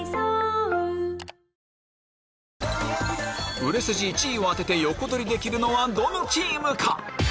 売れ筋１位を当てて横取りできるのはどのチームか？